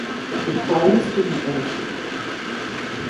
He claims to be innocent.